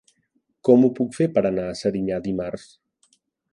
Com ho puc fer per anar a Serinyà dimarts?